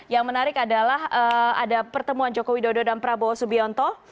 yang menarik adalah ada pertemuan jokowi dodo dan prabowo subianto